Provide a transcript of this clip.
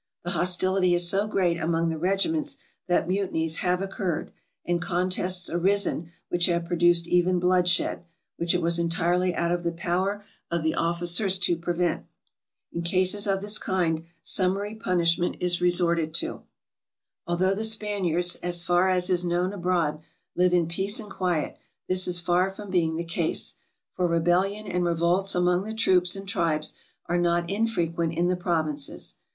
The hostility is so great among the regi ments that mutinies have occurred, and contests arisen which have produced even bloodshed, which it was entirely out of the power of the officers to prevent. In cases of this kind, summary punishment is resorted to. Although the Spaniards, as far as is known abroad, live in peace and quiet, this is far from being the case ; for re bellion and revolts among the troops and tribes are not infrequent in the provinces.